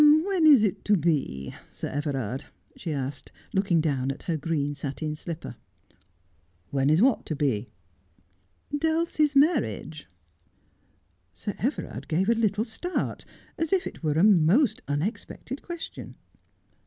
' When is it to be, Sir Everard V she asked, looking. down at her green satin slipper. ' When is what to be V ' Dulcie's marriage.' Sir Everard gave a little start, as if it were a most unexpected question.